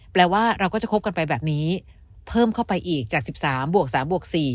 แปลว่าเราก็จะคบกันไปแบบนี้เพิ่มเข้าไปอีกจาก๑๓บวก๓บวก๔